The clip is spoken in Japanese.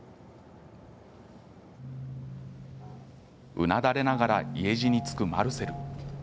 うなだれながら家路につくマルセル。